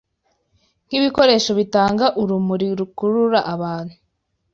nk’ibikoresho bitanga urumuri rukurura abantu